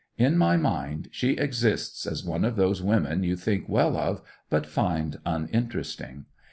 In my mind she exists as one of those women you think well of, but find uninteresting.